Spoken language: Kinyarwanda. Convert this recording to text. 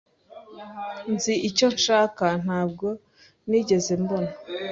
Nzi icyo nshaka. Ntabwo nigeze mbona.